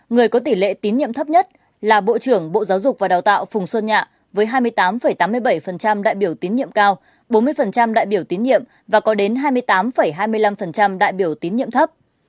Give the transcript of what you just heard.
người có tỷ lệ tín nhiệm thấp nhất là bộ trưởng bộ giáo dục và đào tạo phùng xuân nhạ với hai mươi tám tám mươi bảy đại biểu tín nhiệm cao bốn mươi đại biểu tín nhiệm và có đến hai mươi tám hai mươi năm đại biểu tín nhiệm thấp